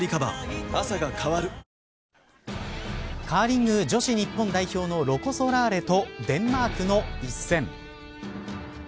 カーリング女子日本代表のロコ・ソラーレとデンマークの一戦。